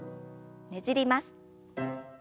ねじります。